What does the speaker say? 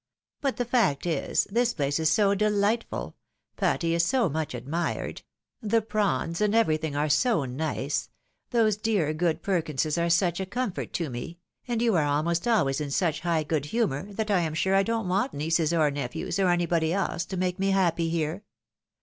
But the fact is, this place is so delightful — ^Patty is so much admired — the prawns and every thing are so nice — ^those dear good Perkinses are such a comfort to me — and you are almost always in such high good humour, that I am sure I don't want nieces or nephews, or anybody else, to make me happy here.